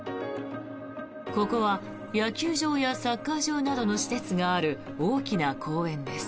ここは野球場やサッカー場などの施設がある大きな公園です。